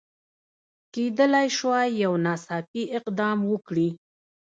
کېدلای سوای یو ناڅاپي اقدام وکړي.